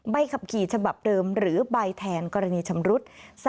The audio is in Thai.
ใบขับขี่ฉบับเดิมหรือใบแทนกรณีชำรุด